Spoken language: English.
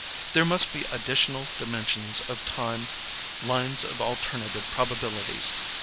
There must be additional dimensions of time; lines of alternate probabilities.